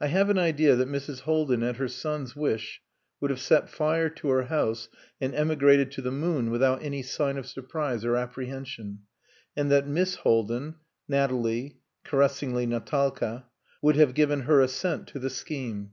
I have an idea that Mrs. Haldin, at her son's wish, would have set fire to her house and emigrated to the moon without any sign of surprise or apprehension; and that Miss Haldin Nathalie, caressingly Natalka would have given her assent to the scheme.